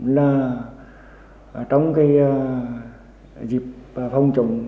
là trong cái dịch phòng chống